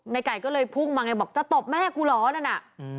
ไก่ก็เลยพุ่งมาไงบอกจะตบแม่กูเหรอนั่นน่ะ